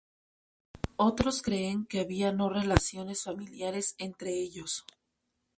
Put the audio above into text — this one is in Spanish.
Otros creen que había no relaciones familiares entre ellos.